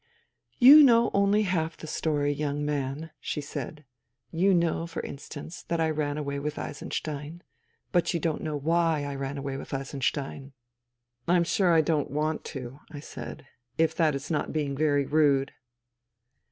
" You know only half the story, young man," she said. " You know, for instance, that I ran away with Eisenstein. But you don't know why I ran away with Eisenstein." " I am sure I don't want to," I said, " if that is not being very rude."